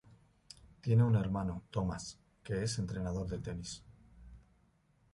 Tiene un hermano, Thomas, que es entrenador de tenis.